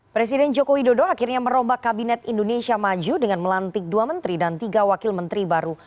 presiden joko widodo akhirnya merombak kabinet indonesia maju dengan melantik dua menteri dan tiga wakil menteri baru